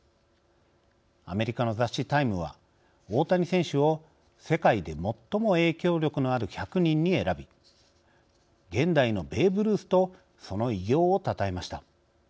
アメリカの雑誌、ＴＩＭＥは大谷選手を、世界で最も影響力のある１００人に選び現代のベーブ・ルースとその偉業をたたえました。